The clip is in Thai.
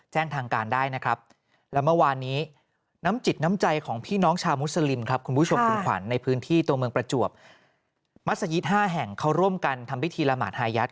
จากเมืองประจวบมัศยีทห้าแห่งเขาร่วมกันทำวิธีละหมาทายัด